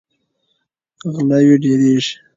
غلاوې ډیریږي.